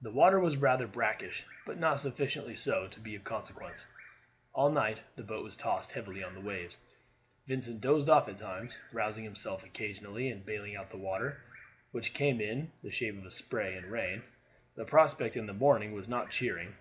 The water was rather brackish, but not sufficiently so to be of consequence. All night the boat was tossed heavily on the waves. Vincent dozed off at times, rousing himself occasionally and bailing out the water, which came in the shape of spray and rain. The prospect in the morning was not cheering.